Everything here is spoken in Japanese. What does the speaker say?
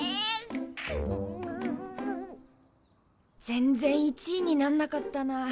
全然１位になんなかったな。